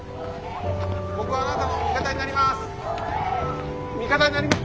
僕はあなたの味方になります。